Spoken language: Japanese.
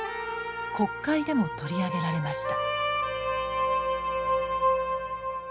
国会でも取り上げられました。